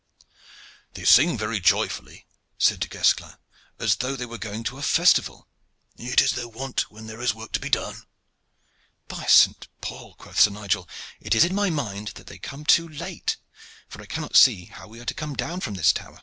"They sing very joyfully," said Du Guesclin, "as though they were going to a festival." "It is their wont when there is work to be done." "By Saint Paul!" quoth Sir Nigel, "it is in my mind that they come too late, for I cannot see how we are to come down from this tower."